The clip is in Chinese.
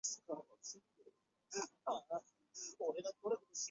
蒂亚格拉贾最著名的五首曲上演奏。